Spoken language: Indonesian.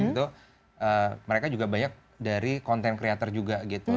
itu mereka juga banyak dari konten kreator juga gitu